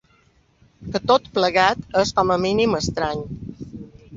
Que tot plegat és, com a mínim, estrany.